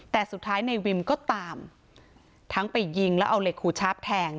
แต่สุดท้ายในวิมก็ตามทั้งไปยิงแล้วเอาเหล็กขูชาปแทง